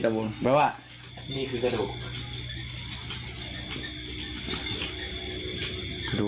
แสดงว่าเลือดเข้าไปบนกับกระดูก